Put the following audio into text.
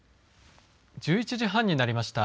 １１時半になりました。